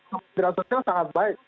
dan kami melihat komitmen sosial sangat baik